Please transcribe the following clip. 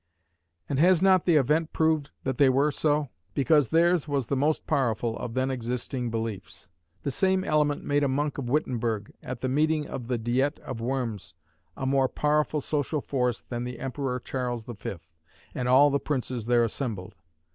And has not the event proved that they were so? Because theirs was the most powerful of then existing beliefs. The same element made a monk of Wittenberg, at the meeting of the Diet of Worms, a more powerful social force than the Emperor Charles the Fifth, and all the princes there assembled.